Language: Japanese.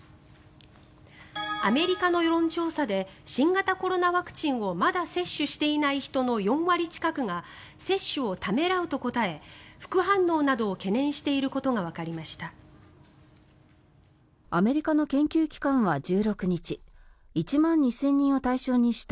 アメリカの世論調査で新型コロナワクチンをまだ接種していない人の４割近くが接種をためらうと答え副反応などを懸念していることがわかりました。